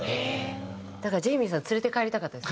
だからジェイミーさん連れて帰りたかったです。